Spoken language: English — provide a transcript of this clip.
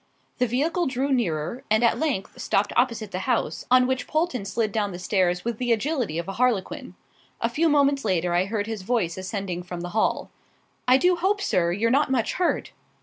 The vehicle drew nearer, and at length stopped opposite the house, on which Polton slid down the stairs with the agility of a harlequin. A few moments later I heard his voice ascending from the hall "I do hope, sir, you're not much hurt?"